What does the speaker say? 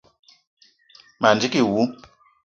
Ma ndigui wou.